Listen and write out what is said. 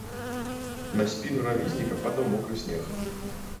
На спіну рамізніка падаў мокры снег.